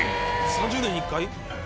３０年に１回？